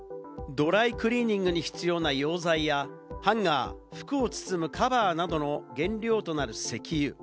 ドライクリーニングに必要な溶剤やハンガー、服を包むカバーなどの原料となる石油。